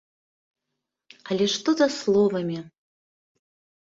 Але што за словамі?